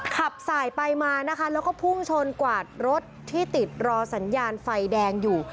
ขับสายไปมานะคะแล้วก็พุ่งชนกวาดรถที่ติดรอสัญญาณไฟแดงอยู่